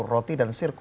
roti dan sirkus